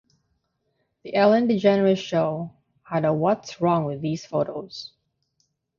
"The Ellen DeGeneres Show" had a What's Wrong with These Photos?